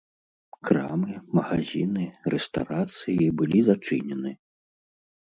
Крамы, магазіны, рэстарацыі былі зачынены.